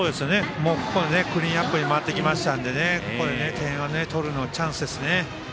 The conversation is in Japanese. ここはクリーンアップに回ってきたのでここで点を取るチャンスですね。